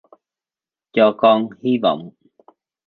Cho con hi vọng